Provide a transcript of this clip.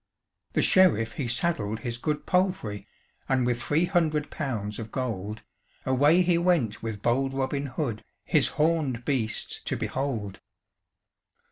The Sheriff he saddled his good palfrey, And with three hundred pounds of gold, Away he went with bold Robin Hood, His horned beasts to behold.